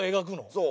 そう。